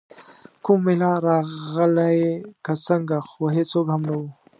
کوم میلمه راغلی که څنګه، خو هېڅوک هم نه وو.